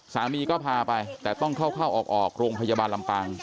สามีก็พาไปแต่ต้องเข้าออกโรงพยาบาลลำปาง